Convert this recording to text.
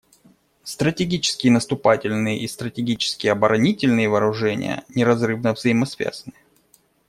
Стратегические наступательные и стратегические оборонительные вооружения неразрывно взаимосвязаны.